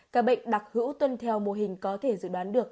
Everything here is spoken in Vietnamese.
các bệnh đặc hữu tuân theo mô hình có thể dự đoán được